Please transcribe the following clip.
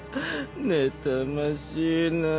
ねたましいなぁ。